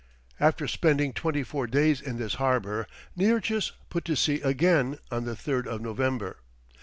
After spending twenty four days in this harbour, Nearchus put to sea again on the 3rd of November.